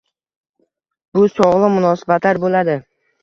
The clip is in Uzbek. bu sog‘lom munosabatlar bo‘ladi